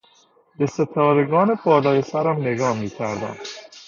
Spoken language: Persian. به ستارگان بالای سرم نگاه میکردم.